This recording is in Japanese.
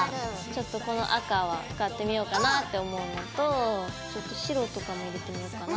ちょっとこの赤は使ってみようかなって思うのとちょっと白とかも入れてみようかな。